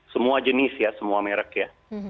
semua jenis ya semua merek ya